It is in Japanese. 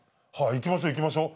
行きましょ行きましょ。